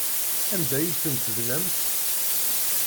Anda ay ten-tebnamt?